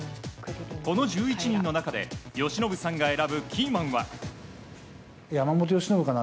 この１１人の中で由伸さんが選ぶキーマンは。